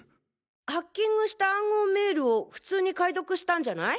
ハッキングした暗号メールを普通に解読したんじゃない？